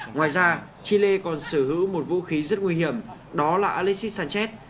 ngoài ra chile còn sở hữu một vũ khí rất nguy hiểm đó là alexis sanchez